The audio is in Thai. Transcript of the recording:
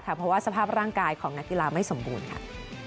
เพราะว่าสภาพร่างกายของนักกีฬาไม่สมบูรณ์ค่ะ